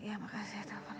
ya makasih ya tuhan